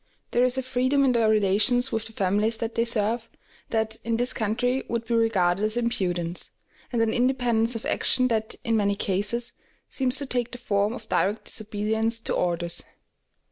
There is a freedom in their relations with the families that they serve, that in this country would be regarded as impudence, and an independence of action that, in many cases, seems to take the form of direct disobedience to orders.